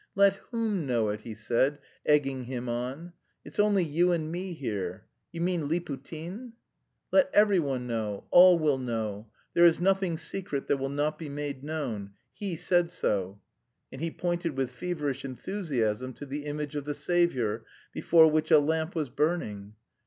"Let whom know it?" he said, egging him on. "It's only you and me here; you mean Liputin?" "Let every one know; all will know. There is nothing secret that will not be made known. He said so." And he pointed with feverish enthusiasm to the image of the Saviour, before which a lamp was burning.